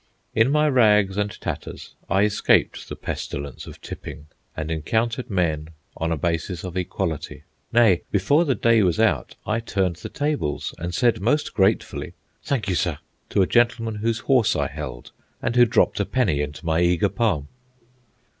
In my rags and tatters I escaped the pestilence of tipping, and encountered men on a basis of equality. Nay, before the day was out I turned the tables, and said, most gratefully, "Thank you, sir," to a gentleman whose horse I held, and who dropped a penny into my eager palm.